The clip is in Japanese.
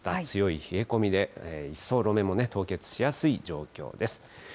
強い冷え込みで、一層路面も凍結しやすい状況です。